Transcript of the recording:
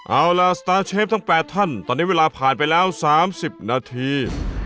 เอาล่ะสตาร์เชฟทั้ง๘ท่านตอนนี้เวลาผ่านไปแล้ว๓๐นาที